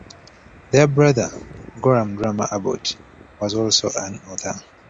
Their brother, Gorham Dummer Abbott, was also an author.